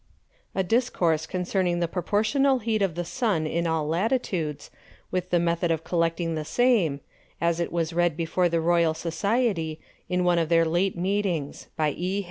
_A Discourse concerning the Proportional Heat of the Sun in all Latitudes, with the Method of collecting the same; as it was read before the Royal Society, in one of their late Meetings. By _E.